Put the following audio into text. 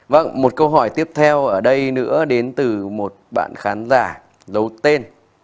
vâng một câu hỏi tiếp theo ở đây nữa đến từ một bạn khán giả giấu tên